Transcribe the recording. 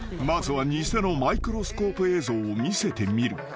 ［まずは偽のマイクロスコープ映像を見せてみる］